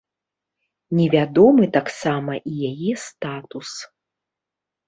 Невядомы таксама і яе статус.